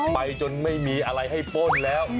ไปจนไม่มีอะไรให้ป้นแล้ว